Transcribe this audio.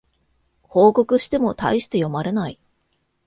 報告してもたいして読まれない